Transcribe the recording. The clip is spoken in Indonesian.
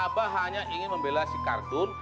apa hanya ingin membela si kartun